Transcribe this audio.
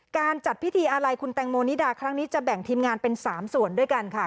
การจัดพิธีอาลัยคุณแตงโมนิดาครั้งนี้จะแบ่งทีมงานเป็น๓ส่วนด้วยกันค่ะ